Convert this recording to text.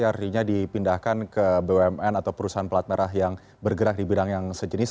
artinya dipindahkan ke bumn atau perusahaan pelat merah yang bergerak di bidang yang sejenis